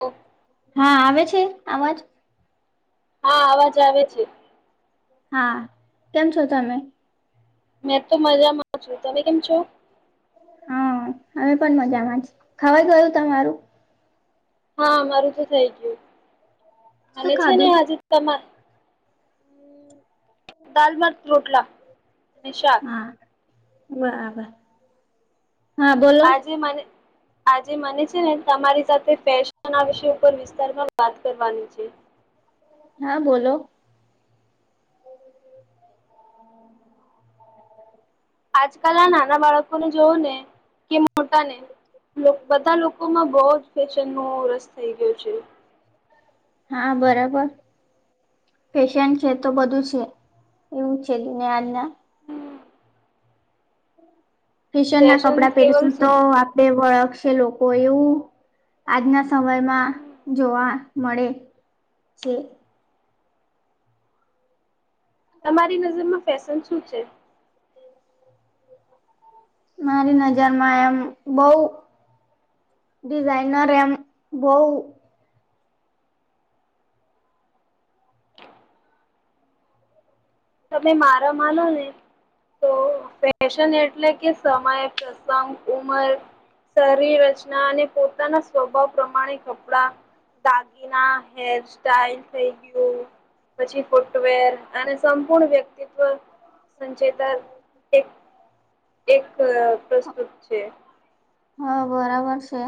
ઓ હા આવે છે આવાજ હા અવાજ આવે છે. હા કેમ છો તમે મેં તો મજામાં છું તમે કેમ છો હા અમે પણ મજા માં છે ખાવાય ગયું તમારું હા અમારું તો થઈ ગયું શું અને છે ને ખાધું આજે [unintelligible] દાલ ભાત રોટલા અને શાક હા બરાબર હા બોલો આજે મારે આજે મને છે ને તમારી સાથે ફેશન ના વિષય ઉપર વિસ્તાર માં વાત કરવાની છે. હા બોલો આજકાલ આ નાના બાળકોને જોવું ને કે મોટા ને બધા લોકોમાં બહુ જ ફેશન નો રસ થઈ ગયો છે. હા બરાબર ફેશન છે તો બધું છે એવું છે ને આજના ફેશન ના કપડા કેવલ પહેરશું તો શું આપડે વળખશે લોકો એવું આજના સમયમાં જોવા મળે છે. તમારી નજરમાં ફેશન શું છે. મારી નજરમાં એમ બઉ ડિઝાઇનર એમ બહુ તમે મારા માનો ને તો ફેશન એટલે કે સમય પ્રસંગ ઉમર શરીર રચના અને પોતાના સ્વભાવ પ્રમાણે કપડા દાગીના હેર [unintelligible] થઈ ગયું પછી ફૂટવેર અને સંપૂર્ણ વ્યક્તિત્વ સંચેતન એક એક પ્રસ્તુત છે. હા, બરાબર છે.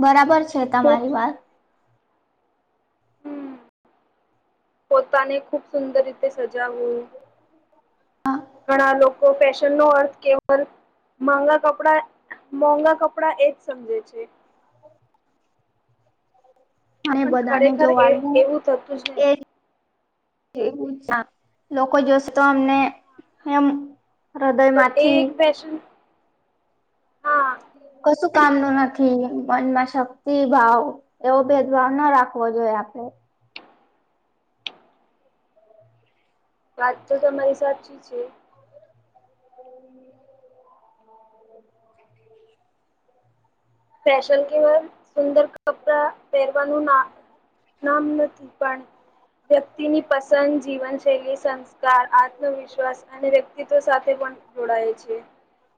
બરાબર છે, ખૂબ તમારી વાત. હમ, પોતાને ખુબ સુંદર રીતે સજાવવું. હા. ઘણા લોકો ફેશન નો અર્થ કેવલ મોંઘા કપડા મોંઘા કપડાં એજ સમજે છે. અને પણ બધાને જો ખરેખર એ વાળવું એવું થતું જ એ નહી એવું જ છે, લોકો જોશે તો, અમને એમ પણ એ હૃદયમાંથી એક ફેશન. હા કશું કામ નું નથી, મનમાં શક્તિ ભાવ એવો ભેદભાવ ના રાખવો જોઈએ આપડે. વાત તો તમારી સાચી છે. [unintelligible] ફેશન કેવા? સુંદર કપડા પહેરવાનું ના. નામ નથી પણ. વ્યક્તિની પસંદ જીવનશૈલી, સંસ્કાર, આત્મવિશ્વાસ અને વ્યક્તિત્વ સાથે પણ જોડાય છે.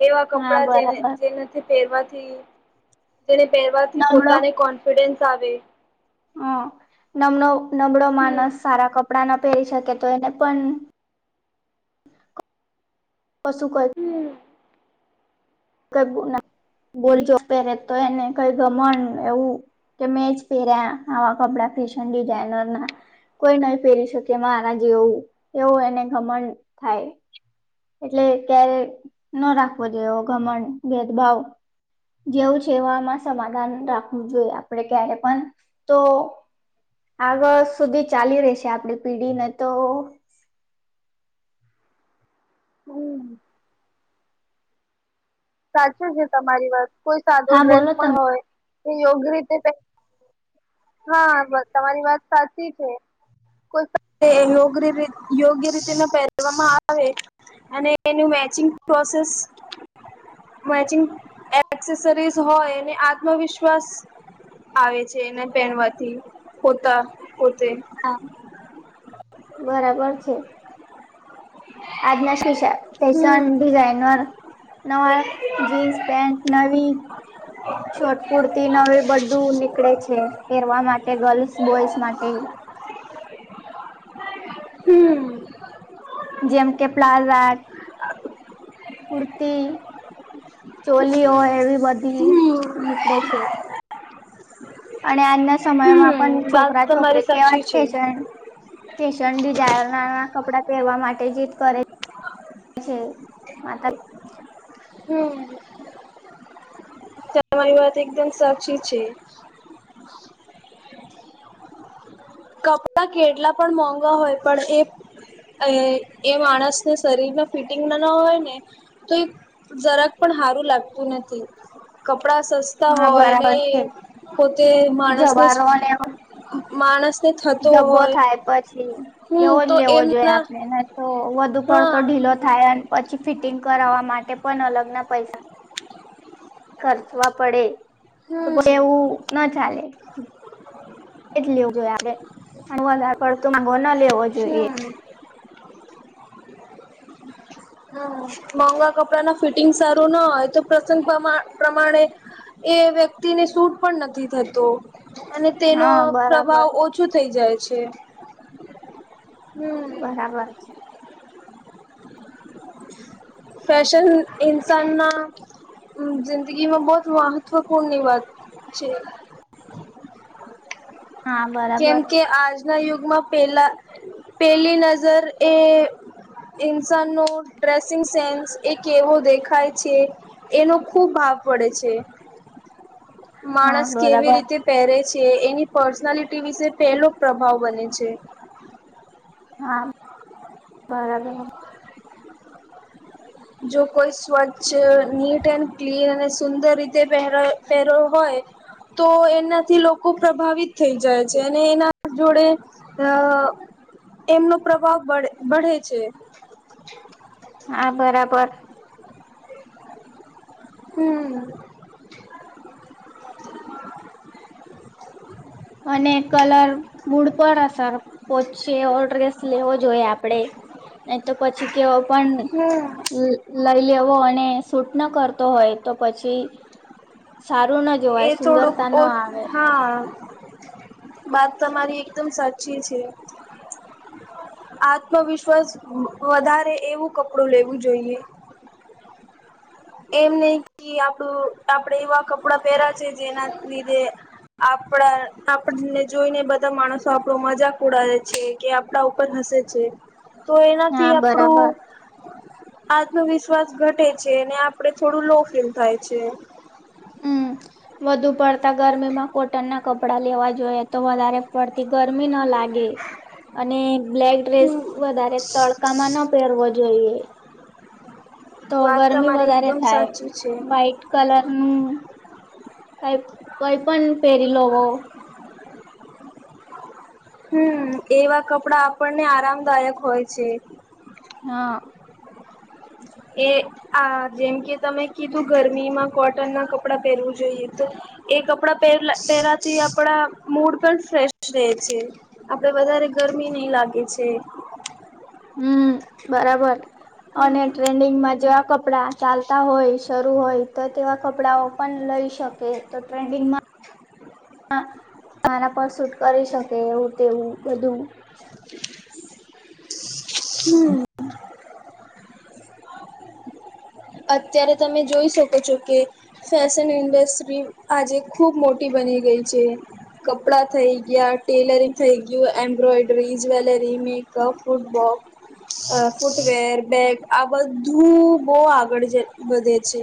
એવા હા કપડા જેને બરાબર જેના થી પહેરવાથી. તેને પહેરવાથી નમળો પોતાને કોન્ફિડન્સ આવે. હમ, નમનો નબળો હમ માનસ સારા કપ કપડા ન પહેરી શકે, તો એને પણ કશું કોઈ હમ કઈ બોલજો પેરે તો એને કઈ ગમણ એવું. કે મેં જ પહેર્યા, આવા કપડા ફેશન ડિઝઇનર ના. કોઈ નહી, ફેરી શકે મારા જેવું-એવું, એને ગમણ થાય. એટલે ક્યારે ન રાખવો, જોવો ઘમણ ભેદભાવ. જેવું છે, એવામાં સમાધાન રાખવું જોઈએ, આપણે ક્યારે પણ તો આ વ સુધી ચાલી રહેશે, આપડી પેઢીને તો. હમ. સાચું છે તમારી વાત, કોઈ સાદો હા ડ્રેસ બોલો પણ તમે હોય, એ યોગ્ય રીતે હા, તમારી વાત સાચી છે. યોગ્ય રીતે પહેરવામાં આવે. અને એનું મેચિંગ પ્રોસેસ. મેચિંગ એક્સેસરીઝ હોય ને, આત્મવિશ્વાસ આવે છે, એને પહેરવાથી પોતા-પોતે હા, બરાબર છે. આજના શશ ફશન હમ ડિઝાઇનર. નવા જીન્સ, પેન્ટન્ટ, નવી હા. શોર્ટ કુર્તી ન, હવે બધું નીકળે છે પહેરવા માટે, ગર્લ્સ બોઈસ માટે. હમ. જેમ કે પ્લાઝા. કુર્તી, ચોલીઓ એવી બધી હમ નીકળે છે. અને આજના સમયમાં પણ હમ વાત તમારી છોકરા-છોકરી કેવા સાચી ફે છે. ફેશન ડિઝાયર ના નાના કપડા પહેરવા માટે જીદ કરે છે. છે માતા હમ્મ. તમારી વાત એકદમ સાચી છે. કપડા કેટલા પણ મોંઘા હોય પણ એ એ-એ માણસને શરીરમાં ફિટિંગ ના ન હોય ને તો એ જરાક પણ હારું લાગતું નથી. કપડા સસ્તા હા હોય અને બરાબર છે પોતે માણસને જવારો માણસ જભ્ભો થાય પછી, હમ એવો જ તો લેવો જોઈએ એમના આપણે એને તો વધુ હા પડતો ઢીલો થાય અને પછી ફિટિંગ કરાવવા માટે પણ અલગ ના પૈસા ખર્ચવા પડે તો હમ પછી એવું ના ચાલે. એજ લેવું જોઈએ આપડે. વધારે પડતું મોંઘો નો લેવો જોઈએ. હમ હા. મોંઘા કપડા ના ફિટિંગ સારું ના હોય તો પ્રસંગ પ્રમા પ્રમાણે એ વ્યક્તિને સૂટ પણ નથી થતો. અને તેનો હા પ્રભાવ બરાબર ઓછ ઓછું થઈ જાય છે, હમ્મ. બરાબર છે. ફેશન ઇન્સાનના હમ્મ. જિંદગીમાં બહુત મહત્વપૂર્ણની વાત છે. હા કેમ બરાબર કે આજ ના યુગમાં પહેલા પેલી નજર એ ઇન્સાનનો [unintelligible] ડ્રેસિંગ સેન્સ એ કેવો દેખાય છે એનો ખૂબ ભાવ પડે છે. હા માણસ કેવી બરાબર રીતે પહેરે છે, એની પર્સનાલિટી વિશે પહેલો પ્રભાવ બને છે. હા, બરાબર. જો કોઈ સ્વચ્છ, નીટ એન્ડ ક્લીન અને સુંદર રીતે પહેરો-પહેરો હોય તો એનાથી લોકો પ્રભાવિત થઈ જાય છે, અને એના જોડે અહ એમનો પ્રભાવ બળ બઢે છે. હા બરાબર. હમ્મ. અને કલર મૂડ પર અસર પહોચેં એવો ડ્રેસ લેવો જોઈએ આપડે. નહીં તો પછી કેવો પન હમ લઈ લેવો અને સૂટ નો કરતો હોય તો પછી સારું ના એ જોવાય થોડુંક સુંદરતા ન ઓછ આવે હા. વાત તમારી એકદમ સાચી છે. આત્મવિશ્વાસ વધારે એવું કપડું લેવું જોઈએ. એમ નહીં કી આપડું આપડે એવા કપડાં પહેરા છે જેના લીધે આપણા આપણને જોઈને બધા માણસો આપણો મજાક ઉડાવે છે, કે આપડા ઉપર હસે છે. તો એનાથી હા બરાબર આપણું આત્મવિશ્વાસ ઘટે છે. અને આપ પણે થોડું લો ફીલ થાય છે. હમ [inaudible] વધુ પડતા ગરમીમાં કોટન ના કપડા લેવા જોઈએ તો વધારે પડતી ગરમી ન લાગે. અને બ્લેક ડ્રેસ હમ વધારે તડકામાં ન પહેરવો જોઈએ. તો વાત ગરમી તમારી વધારે એકદમ થાય. સાચી છે. વાઈટ કલર નું કંઈ-કંઈ પન પહેરી લોવો. હમ્મ. એવા કપડા આપણને આરામદાયક હોય છે. હા. એ આ જેમ કે તમે કીધું ગરમીમાં કોટન ના કપડા પહેરવું જોઈએ તો એ કપડા પહેરલા પહેરવાંથી આપડા મૂડ પણ ફ્રેશ રહે છે. આપડે વધારે ગરમી નહીં લાગે છે. હમ્મ, બરાબર. અને ટ્રેન્ડિંગમાં જેવા કપ પડા ચાલતા હોય, શરૂ હોય તો તેવા કપડાઓ પણ લઈ શકે. તો ટ્રેન્ડિંગમાં [inaudible] [unintelligible] મારા પર સૂટ કરી શકે એવું તેવું બધું. [inaudible] હમ્મ. અત્યારે તમે જોઈ શકો છો કે ફેશન ઇન્ડશ્રી આજે ખુબ મોટી બની ગઈ છે. કપડાં થઈ ગયા, ટેલરિંગ થઈ ગયું, એમ્બ્રોઇડરી જ્વેલરી, મેકઅપ, ફૂટબોક્ અહ ફૂટવેર, બેગ આ બધું બહું આગળ જ વધે છે.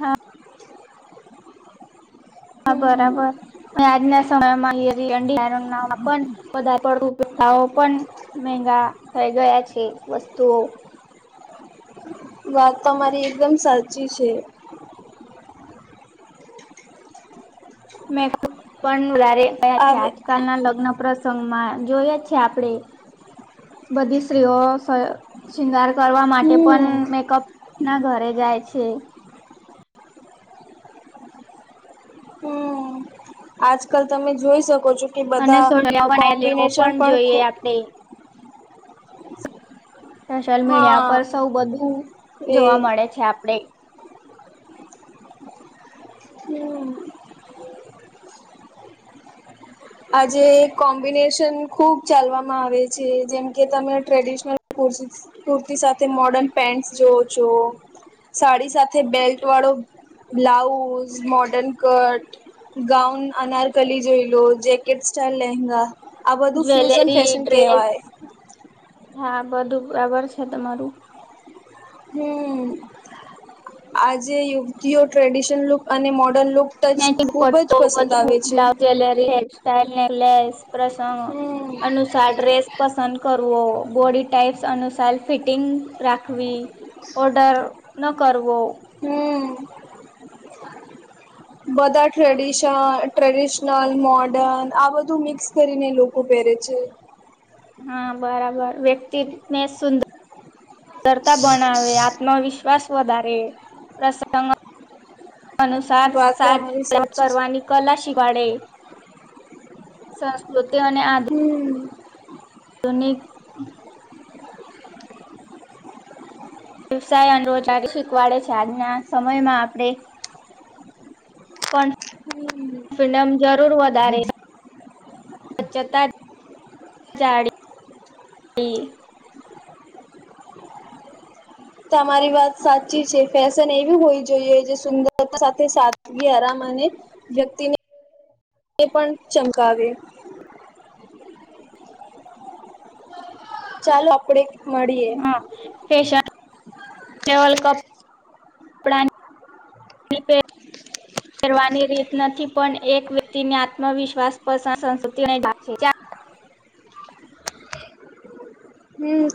હા, હા હમ બરાબર. ને આજના [inaudible] વધારે પડતું ઉપયોગ [unintelligible] મહેંઘા થઈ ગયા છે વસ્તુઓ. વાત તમારી એકદમ સાચી છે. મેં [unintelligible] આવે આજકાલ ના લગ્ન પ્રસંગમાં જોઈએ છે આપડે, બધી સ્ત્રીઓ શ શૃંગાર કરવા માટે પણ હમ મેકઅપ ના ઘરે જાય છે. હમ્મ. આજકાલ તમે જોઈ શકો છો એ અને બધા સોડિયા બનાવી લેવો કોમ્બિનેશન પણ જોઈએ ખૂ આપડે સોશિયલ મીડિયા હા પર સૌ બધું એ જોવા મળે છે આપડે. હમ્મ. આજે કોમ્બિનેશન ખૂબ ચાલવામાં આવે છે, જેમકે તમે ટ્રેડિશનલ [unintelligible] કુર્તી સાથે મોર્ડર્ન પેન્ટસ જોવો છો. સાડી સાથ થે બેલ્ટ વાળો blouse, modern cut gown, anarkali જોઈ લો, જેેકેટ સ્ટાઈવ લેંઘા આ બધું ફ્યુઝન જ્વેલરી ફેશન ડ્રેસ કહેવાય. હા બધું ખરાબર છે તમારું. હમ્મ. આજે યુવતીઓ ટ્રેડિશન લુક અને મોર્ડર્ન લુક ટચ મેચિંગ ખૂબ પટ્ટો જ પસંદ બધું આવે છે હમ [unintelligible] [inaudible] અનુસાર ડ્રેસ પસંદ કરવો. બોડી ટાઈપ્સ અનુસાર ફિટિંગ રાખવી. ઓર્ડર ન કરવો. હમ્મ. બધા ટ્રેડિશ ટ્રેડિશનલ, મોર્ડન આ બધું મિક્સ કરીને લોકો પહેરે છે. હા બરાબર. વ્યક્તિને સુંદ રતા બણાવે, આત્મવિશ્વાસ વધારે. પ્રસંગ અનુસાર વાત સાજ તમારી [inaudible] સાચી છે કરવાની કલા શીખવાડે. સંસ્કૃતિ અને આધ હમ્મ. ધુનિક વ્યવસાય અને રોજારી શીખવાડે છે. આજના સમયમાં આપણે હમ્મ. ફિડમ જરૂર વધારે. ચતા, જાડ, વી. તમારી વાત સાચી છે ફેશન એવી હોવી જોઈએ જે સુંદરતા સાથે સાદગી, આરામ અને વ્યક્તિની [unintelligible] પણ ચમકાવે. ચાલો આપડે મળીએ હા [inaudible] [inaudible] કરવાની રીત નથી પણ એક વ્યક્તિને આત્મવિશ્વાસ [inaudible] હું